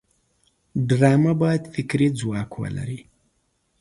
ډرامه باید فکري ځواک ولري